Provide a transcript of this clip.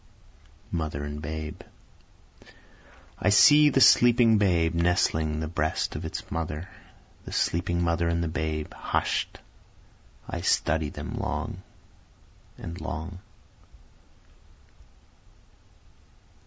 Mother and Babe I see the sleeping babe nestling the breast of its mother, The sleeping mother and babe hush'd, I study them long and long.